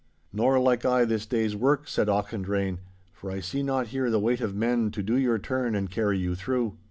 'Nor like I this day's work,' said Auchendrayne, 'for I see not here the weight of men to do your turn and carry you through.